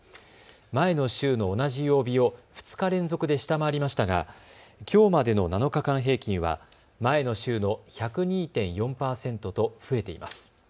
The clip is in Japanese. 前の週の同じ曜日を２日連続で下回りましたがきょうまでの７日間平均は前の週の１０２．４％と増えています。